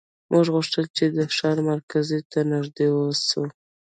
موږ غوښتل چې د ښار مرکز ته نږدې اوسو